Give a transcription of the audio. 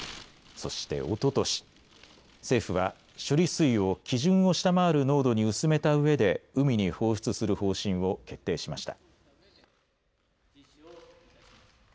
そしておととし政府は処理水を基準を下回る濃度に薄めたうえで海に放出する方針を決定しました。